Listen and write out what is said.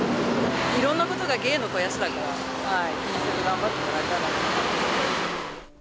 いろんなことが芸の肥やしだから、気にせず頑張ってもらいたいと思います。